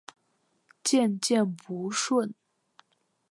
渐渐不顺